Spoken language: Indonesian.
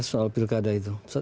soal pilkada itu